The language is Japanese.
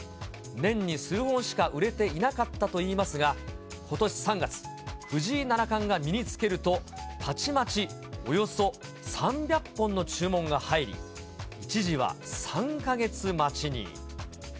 年に数本しか売れていなかったといいますが、ことし３月、藤井七冠が身につけると、たちまちおよそ３００本の注文が入り、一時は３か月待ちに。